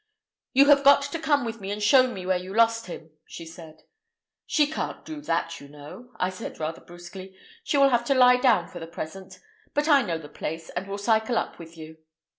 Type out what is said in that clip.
"You have got to come with me and show me where you lost him," she said. "She can't do that, you know," I said rather brusquely. "She will have to lie down for the present. But I know the place, and will cycle up with you."